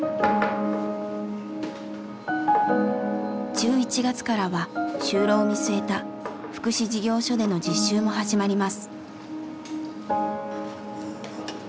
１１月からは就労を見据えた福祉事業所での実習も始まります。